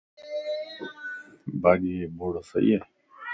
ڀاڄيءَ جي ٻورسٺي ائي